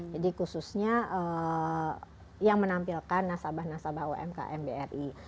jadi khususnya yang menampilkan nasabah nasabah umkm bri